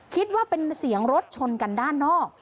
คิดว่าเป็นเสียงรถชนกันด้านนอก